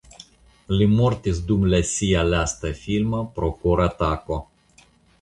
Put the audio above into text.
Li mortis dum sia lasta filmo pro koratako.